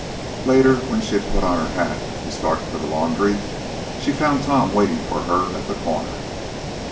Later, when she had put on her hat to start for the laundry, she found Tom waiting for her at the corner.